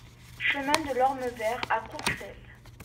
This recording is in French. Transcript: Chemin de l'Orme Vert à Courcelles